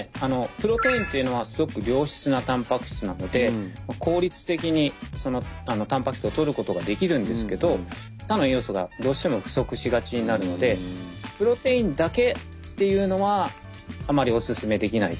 プロテインというのはすごく良質なたんぱく質なので効率的にそのたんぱく質をとることができるんですけど他の栄養素がどうしても不足しがちになるのでプロテインだけっていうのはあまりオススメできないです。